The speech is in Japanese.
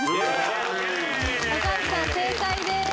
橋さん正解です。